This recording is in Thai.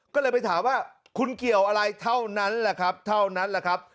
ก็เลยไปถามว่าคุณเกี่ยวอะไรเท่านั้นแหละครับเท่านั้นแหละครับ